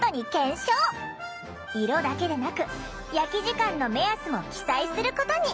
色だけでなく焼き時間の目安も記載することに！